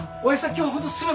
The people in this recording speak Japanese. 今日はホントすいません